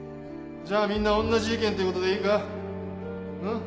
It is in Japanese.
じゃあみんな同じ意見ということでいん？